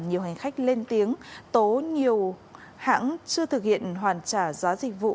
nhiều hành khách lên tiếng tố nhiều hãng chưa thực hiện hoàn trả giá dịch vụ